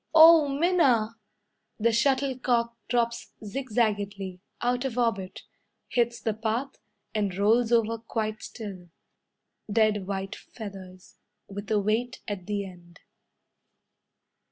"Oh! Minna!" The shuttlecock drops zigzagedly, Out of orbit, Hits the path, And rolls over quite still. Dead white feathers, With a weight at the end.